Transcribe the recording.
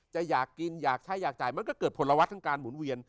จะอยากกินอยากใช้อยากจ่ายมันก็เกิดผลวัตรทางการหมุนเวียน